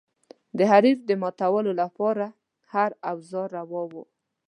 د حریف د ماتولو لپاره هر اوزار روا و.